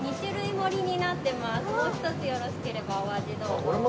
もう一つよろしければお味どうぞ。